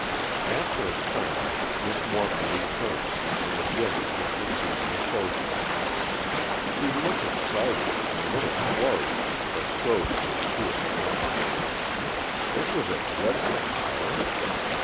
After a time, Miss Morton returned, and again took her seat on the sofa. She looked excited and a little flurried, but strove to appear calm. It was a dreadful hour.